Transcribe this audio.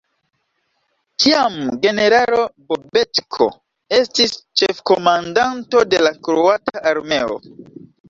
Tiam generalo Bobetko estis ĉefkomandanto de la kroata armeo.